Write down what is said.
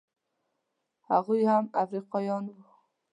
هغوی هم افریقایان وو.